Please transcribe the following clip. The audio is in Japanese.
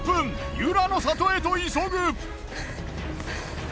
湯楽の里へと急ぐ。